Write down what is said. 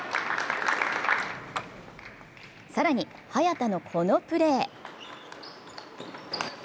更に早田のこのプレー。